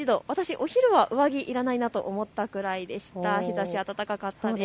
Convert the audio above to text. お昼、私は上着はいらないと思ったくらいです。